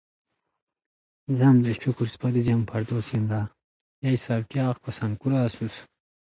Currently Chris works for the Mozilla Corporation.